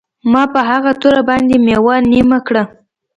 ما په هغه توره باندې میوه نیمه کړه